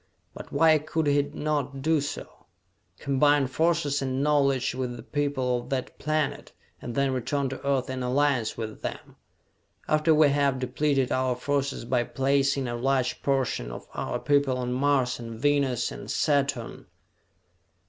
But why could he not do so, combine forces and knowledge with the people of that planet and then return to Earth in alliance with them? after we have depleted our forces by placing a large portion of our people on Mars and Venus and Saturn?"